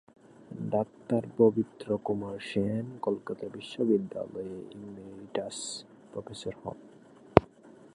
ডাক্তারপবিত্রকুমার সেন কলকাতা বিশ্ববিদ্যালয়ের emeritus professor হন।